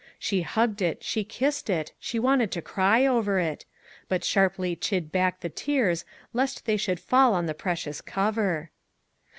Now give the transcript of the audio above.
She hugged it, she kissed it, she wanted to cry over it ; but sharply chid back the tears lest they should fall on the precious cover.